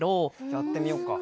やってみようか。